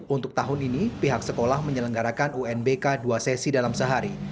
untuk tahun ini pihak sekolah menyelenggarakan unbk dua sesi dalam sehari